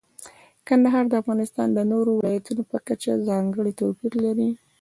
کندهار د افغانستان د نورو ولایاتو په کچه ځانګړی توپیر لري.